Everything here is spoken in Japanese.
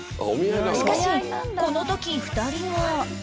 しかしこの時２人は